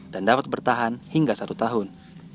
dan dapat bertahan hingga satu tahun